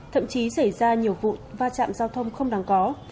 thậm chí xảy ra nhiều vụ va chạm giao thông không đáng có